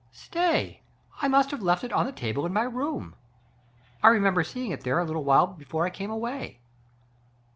Stay ! I must have left it on the table in my room. I remember seeing it there a little while before I came away."